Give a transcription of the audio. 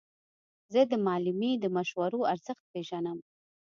زه د معلمې د مشورو ارزښت پېژنم.